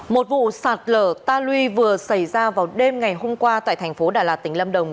một vụ sạt lở ta luy vừa xảy ra vào đêm ngày hôm qua tại thành phố đà lạt tỉnh lâm đồng